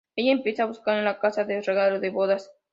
Ella empieza a buscar en la casa el regalo de bodas.